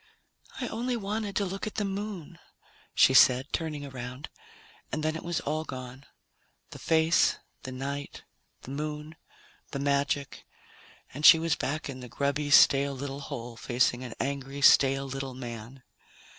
"I only wanted to look at the Moon," she said, turning around, and then it was all gone the face, the night, the Moon, the magic and she was back in the grubby, stale little hole, facing an angry, stale little man.